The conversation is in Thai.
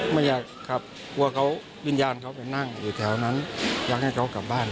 ไม่อยากขับกลัวเขาวิญญาณเขาไปนั่งอยู่แถวนั้นอยากให้เขากลับบ้าน